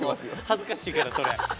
恥ずかしいからそれ。